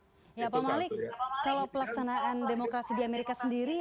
kalau pelaksanaan demokrasi di amerika sendiri